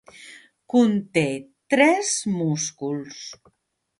Conté tres músculs.